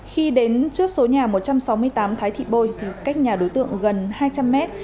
khi đến trước số nhà một trăm sáu mươi tám thái thị bôi thì cách nhà đối tượng gần hai trăm linh mét